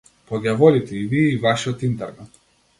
По ѓаволите и вие и вашиот интернет.